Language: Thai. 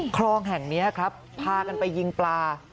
คลองแห่งนี้ครับพากันไปยิงปลา